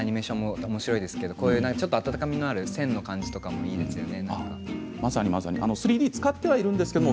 アニメーションもおもしろいですけどちょっと温かみのある線の感じとかもいいですよね。